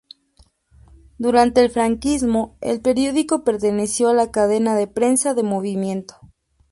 Durante el franquismo el periódico perteneció a la cadena de Prensa del Movimiento.